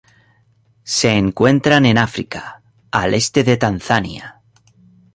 Se encuentran en África: al este de Tanzania.